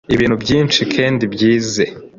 ibintu byinshi kendi byize”.